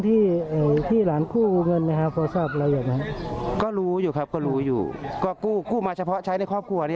แต่การพนันไม่มีครับการพนันไม่มี